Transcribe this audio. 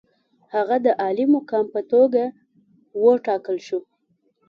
هغه د عالي مقام په توګه وټاکل شو.